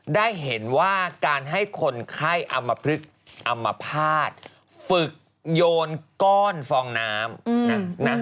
ได้เห็นว่าการให้คนไข้อำมพลึกอำมภาษณ์ฝึกโยนก้อนฟองน้ำนะ